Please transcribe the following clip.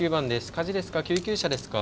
火事ですか？